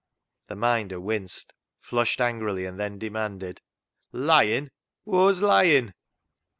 The Minder winced, flushed angrily, and then demanded —" Lyin' ! whoa's lyin' ?